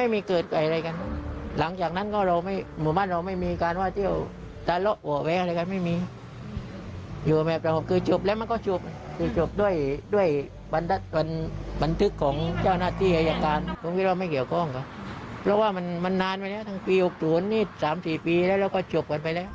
พี่หลุงนี่๓๔ปีแล้วเราก็จบกันไปแล้ว